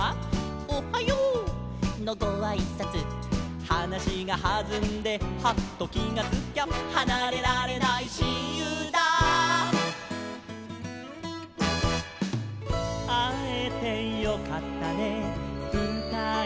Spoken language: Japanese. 「おはよう！のごあいさつ」「はなしがはずんでハッときがつきゃ」「はなれられないしんゆうだ」「あえてよかったねうたいましょう」